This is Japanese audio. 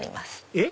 えっ？